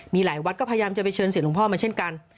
มีหลายวัดก็พยายามจะไปเชิญเสียหลวงพ่อมาเช่นกัน